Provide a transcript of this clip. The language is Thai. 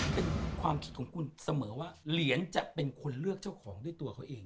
เป็นความคิดของคุณเสมอว่าเหรียญจะเป็นคนเลือกเจ้าของด้วยตัวเขาเอง